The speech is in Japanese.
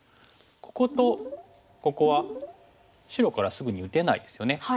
こことここは白からすぐに打てないですよね。